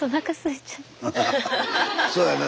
そうやな